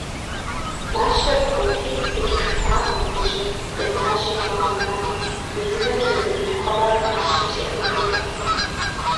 Мащэр куути, къикӏыжыфакъым дыгъужьыр - къинащи, мэгъынанэ: «Емынэм сызэримыхуэмэ, мащэм сеӏэбыхынтэкъым».